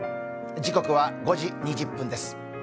時刻は５時２０分です。